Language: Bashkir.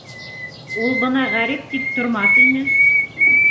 Ул бына ғәрип тип тормаҫ ине.